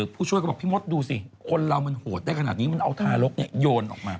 ผู้ช่วยก็บอกพี่มดดูสิคนเรามันโหดได้ขนาดนี้มันเอาทารกโยนออกมา